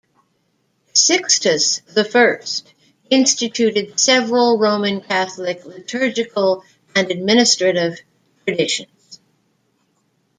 Sixtus I instituted several Roman Catholic liturgical and administrative traditions.